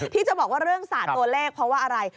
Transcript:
ที่จะบอกว่าเรื่องศาสตร์ตัวเลขเพราะอะไร